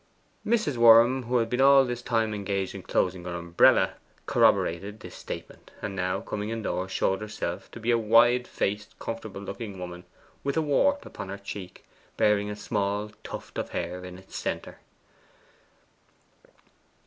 Mrs. Worm, who had been all this time engaged in closing her umbrella, corroborated this statement, and now, coming indoors, showed herself to be a wide faced, comfortable looking woman, with a wart upon her cheek, bearing a small tuft of hair in its centre.